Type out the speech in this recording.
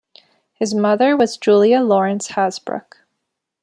His mother was Julia Lawrence Hasbrouck.